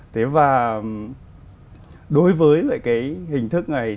thế và đối với cái hình thức này